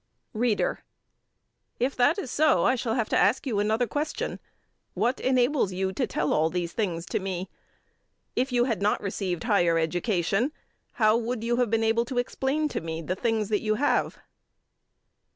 READER: If that is so, I shall have to ask you another question. What enables you to tell all these things to me? If you had not received higher education, how would you have been able to explain to me the things that you have?